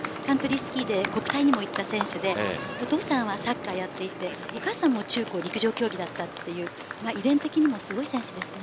スキーで国体にもいった選手でお父さんはサッカーをやっていてお母さんも中高で陸上競技だったという遺伝的にもすごい選手です。